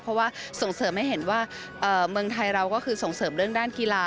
เพราะว่าส่งเสริมให้เห็นว่าเมืองไทยเราก็คือส่งเสริมเรื่องด้านกีฬา